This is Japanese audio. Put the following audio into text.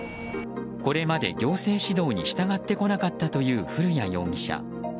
これまで行政指導に従ってこなかったという古屋容疑者。